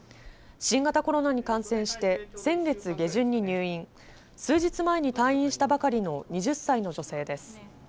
新型コロナに感染して先月下旬に入院、数日前に退院したばかりの２０歳の女性です。